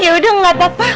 yaudah gak papa